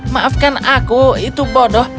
maafkan aku itu bodoh